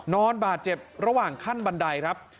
นอนบาดเจ็บระหว่างขั้นบันไดครับ